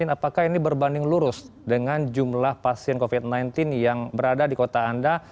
apakah ini berbanding lurus dengan jumlah pasien covid sembilan belas yang berada di kota anda